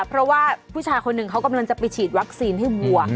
เพราะว่าผู้ชายคนหนึ่งเขากำลังจะไปฉีดวัคซีนให้วัว